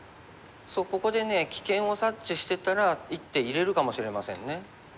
ここでね危険を察知してたら１手入れるかもしれませんね。